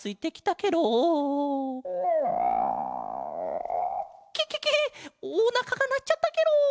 ケケケおなかがなっちゃったケロ！